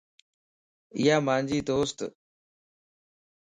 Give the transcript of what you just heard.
ايا مانجي دوست